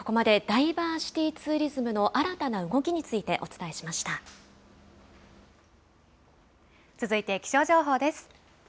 ここまでダイバーシティツーリズムの新たな動きについてお伝続いて気象情報です。